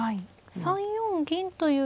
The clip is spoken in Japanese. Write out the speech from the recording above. ３四銀という予想